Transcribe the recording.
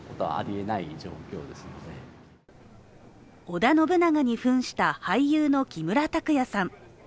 織田信長にふんした俳優の木村拓哉さん。